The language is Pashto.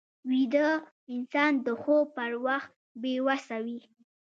ویده انسان د خوب پر وخت بې وسه وي